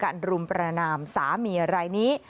การรุมประนามสามีอะไรนี้